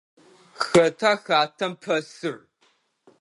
Xэтa хатэм пэсыр?